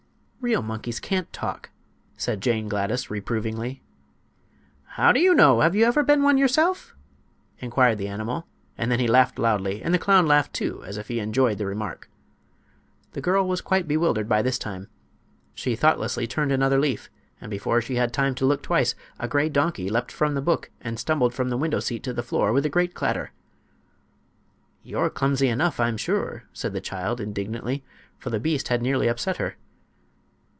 "Real monkeys can't talk," said Jane Gladys, reprovingly. "How do you know? Have you ever been one yourself?" inquired the animal; and then he laughed loudly, and the clown laughed, too, as if he enjoyed the remark. The girl was quite bewildered by this time. She thoughtlessly turned another leaf, and before she had time to look twice a gray donkey leaped from the book and stumbled from the window seat to the floor with a great clatter. "You're clumsy enough, I'm sure!" said the child, indignantly, for the beast had nearly upset her.